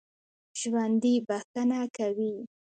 ژوندي بښنه کوي